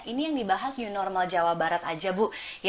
ini yang dibahas new normal jawa barat aja bu